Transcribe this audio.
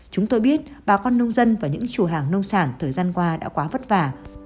chúng tôi biết bà con nông dân và những chủ hàng nông sản thời gian qua đã quá vất vả